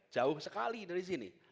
jauh sekali dari sini